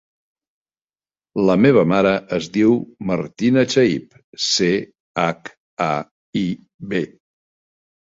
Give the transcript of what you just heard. La meva mare es diu Martina Chaib: ce, hac, a, i, be.